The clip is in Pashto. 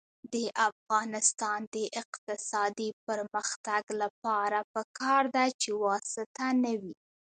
د افغانستان د اقتصادي پرمختګ لپاره پکار ده چې واسطه نه وي.